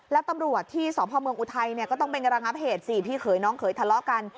แล้วตำรวจที่สพเมืองอุทัยเนี่ยก็ต้องเป็นการระงับเหตุสิพี่เขยน้องเขยทะเลาะกัน